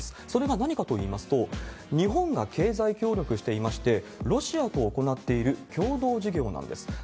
それが何かといいますと、日本が経済協力していまして、ロシアと行っている共同事業なんです。